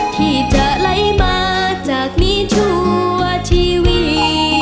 ที่จะไหลมาจากนี้ชั่วชีวิต